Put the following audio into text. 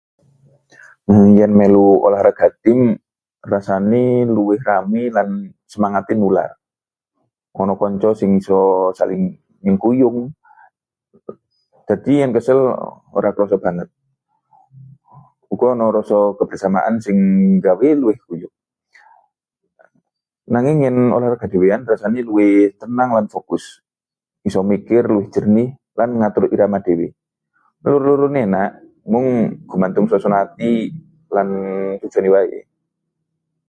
Yen melu olahraga tim, rasane luwih rame lan semangaté nular. Ana kanca sing iso saling nyengkuyung, dadi yen kesel ora krasa banget. Uga ana rasa kebersamaan sing nggawe luwih guyub. Nanging yen olahraga dhewean, rasane luwih tenang lan fokus. Iso mikir luwih jernih lan ngatur irama dhewe. Loro-lorone enak, mung gumantung swasana ati lan tujuané wae.